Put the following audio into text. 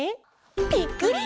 「ぴっくり！